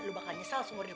lu bakal nyesel seumur hidup